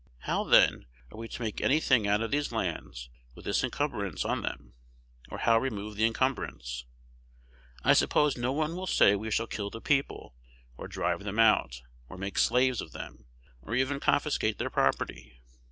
How, then, are we to make any thing out of these lands with this encumbrance on them, or how remove the encumbrance? I suppose no one will say we should kill the people, or drive them out, or make slaves of them, or even confiscate their property?